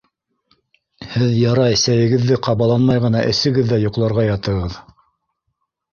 Һеҙ, ярай, сәйегеҙҙе ҡабаланмай ғына эсегеҙ ҙә йоҡларға ятығыҙ.